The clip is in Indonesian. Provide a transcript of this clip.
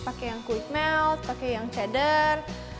pakai yang quick melt pakai yang cheddar